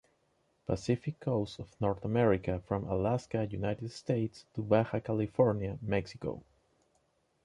Pacific coast of North America from Alaska, United States to Baja California, Mexico.